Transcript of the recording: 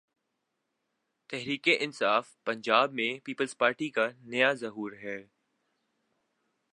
تحریک انصاف پنجاب میں Peoples Party کا نیا ظہور ہے۔